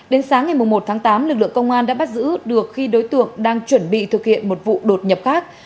đến sáng ngày một tháng tám lực lượng công an đã bắt giữ được khi đối tượng đang chuẩn bị thực hiện một vụ đột nhập khác